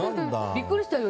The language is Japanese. ビックリしたよ